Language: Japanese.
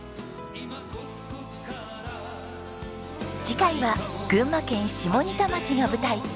次回は群馬県下仁田町が舞台。